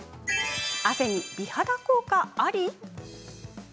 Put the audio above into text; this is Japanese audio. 汗に美肌効果あり？